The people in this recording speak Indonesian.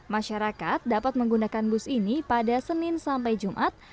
masyarakat dapat menggunakan bus ini pada senin sampai jumat